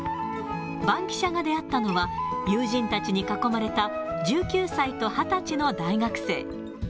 バンキシャが出会ったのは、友人たちに囲まれた、１９歳と２０歳の大学生。